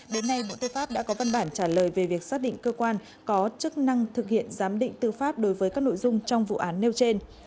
đến nay bộ tư pháp đã có văn bản trả lời về việc xác định cơ quan có chức năng thực hiện giám định tư pháp đối với các nội dung trong vụ án nêu trên